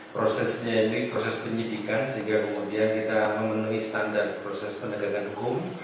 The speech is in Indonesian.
prosesnya ini proses penyidikan sehingga kemudian kita memenuhi standar proses penegakan hukum